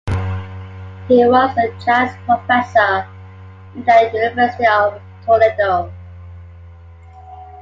He was a jazz professor in the University of Toledo.